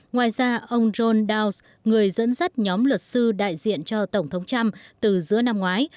ngoài ra ông john downs người dẫn dắt nhóm luật sư đại diện cho tổng thống trump từ giữa năm ngoái